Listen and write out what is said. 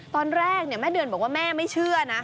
ตอนแรกแม่เดือนบอกว่าแม่ไม่เชื่อนะ